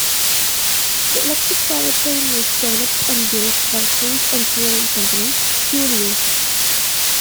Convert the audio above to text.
The electric powertrain was developed and built by French engineering company Heuliez.